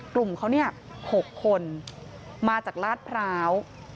กลุ่มเขาเนี่ย๖คนมาจากลาดพร้าว